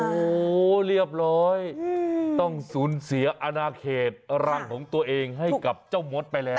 โอ้โหเรียบร้อยต้องสูญเสียอนาเขตรังของตัวเองให้กับเจ้ามดไปแล้ว